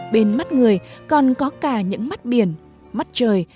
bên mắt người còn có cả những mắt biển mắt trời